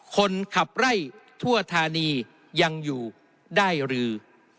คนขับไล่ทั่วธานียังอยู่ได้หรือ